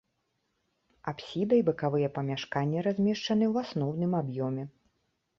Апсіда і бакавыя памяшканні размешчаны ў асноўным аб'ёме.